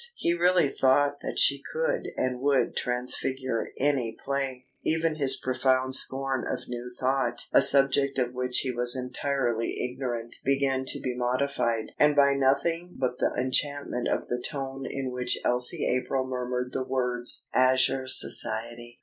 He really thought that she could and would transfigure any play. Even his profound scorn of New Thought (a subject of which he was entirely ignorant) began to be modified and by nothing but the enchantment of the tone in which Elsie April murmured the words, "Azure Society!"